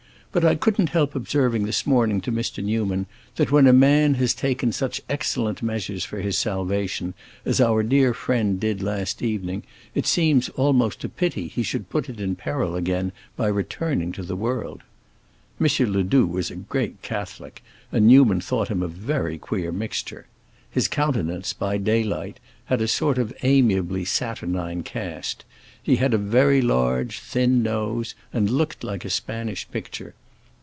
"But I couldn't help observing this morning to Mr. Newman that when a man has taken such excellent measures for his salvation as our dear friend did last evening, it seems almost a pity he should put it in peril again by returning to the world." M. Ledoux was a great Catholic, and Newman thought him a queer mixture. His countenance, by daylight, had a sort of amiably saturnine cast; he had a very large thin nose, and looked like a Spanish picture.